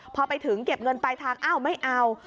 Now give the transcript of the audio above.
พอไปถึงเก็บเงินปลายทางอ้าวไม่เอา